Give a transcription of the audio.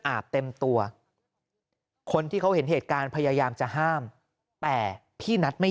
อาบเต็มตัวคนที่เขาเห็นเหตุการณ์พยายามจะห้ามแต่พี่นัทไม่